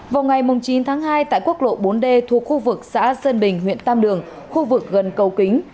vào ngày chín tháng hai tại quốc lộ bốn d thuộc khu vực xã sơn bình huyện tam đường khu vực gần cầu kính